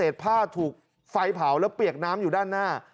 ผ้าถูกไฟเผาแล้วเปียกน้ำอยู่ด้านหน้า